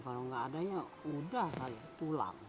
kalau nggak adanya udah saya pulang